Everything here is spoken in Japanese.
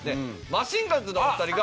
マシンガンズのお二人が。